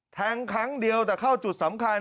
ครั้งเดียวแต่เข้าจุดสำคัญ